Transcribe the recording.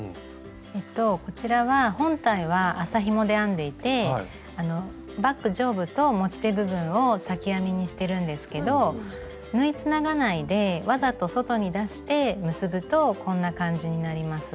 えっとこちらは本体は麻ひもで編んでいてバッグ上部と持ち手部分を裂き編みにしてるんですけど縫いつながないでわざと外に出して結ぶとこんな感じになります。